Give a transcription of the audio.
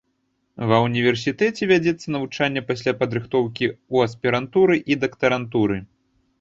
Ва ўніверсітэце вядзецца навучанне пасля падрыхтоўкі ў аспірантуры і дактарантуры.